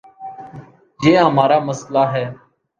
یہ ہمار امسئلہ ہے۔